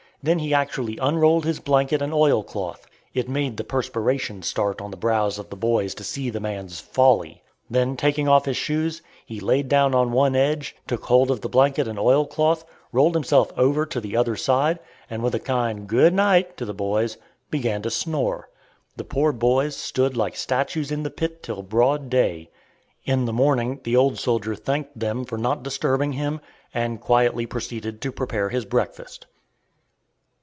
Then he actually unrolled his blanket and oil cloth. It made the perspiration start on the brows of the boys to see the man's folly. Then taking off his shoes, he laid down on one edge, took hold of the blanket and oil cloth, rolled himself over to the other side, and with a kind "good night" to the boys, began to snore. The poor boys stood like statues in the pit till broad day. In the morning the old soldier thanked them for not disturbing him, and quietly proceeded to prepare his breakfast.